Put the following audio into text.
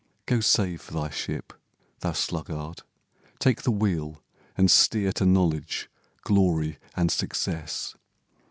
Go save thy ship, thou sluggard; take the wheel And steer to knowledge, glory, and success.